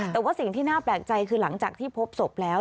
แต่ว่าสิ่งที่น่าแปลกใจคือหลังจากที่พบศพแล้ว